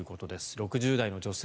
６０代の女性